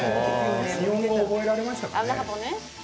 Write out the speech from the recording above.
日本語覚えられましたか？